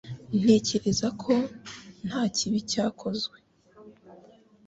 Ntekereza ko nta kibi cyakozwe